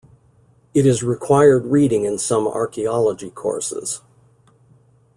It is required reading in some archaeology courses.